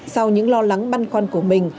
sau những lo lắng băn khoăn của mình